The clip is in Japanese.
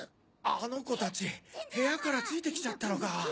あの子たち部屋からついて来ちゃったのか。